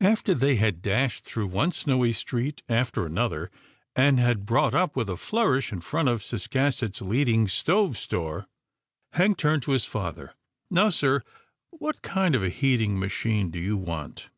After they had dashed through one snowy street after another, and had brought up with a flourish in front of Ciscasset's leading stove store. Hank turned to his father, " Now sir, what kind of a heating machine do you want